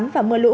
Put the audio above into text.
và mưa lũ